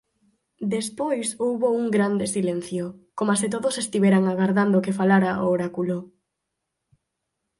Despois houbo un grande silencio, coma se todos estiveran agardando que falara o oráculo.